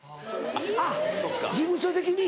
あっ事務所的に。